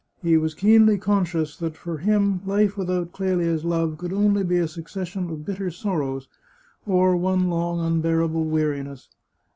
He was keenly conscious that for him life without Clelia's love could only be a succession of bitter sorrows, or one long unbearable weariness.